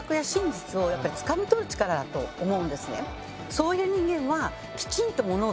そういう人間は。